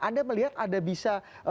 anda melihat ada bisa